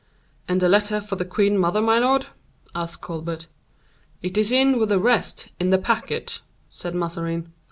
"And the letter of the queen mother, my lord?" asked Colbert. "It is in with the rest, in the packet," said Mazarin.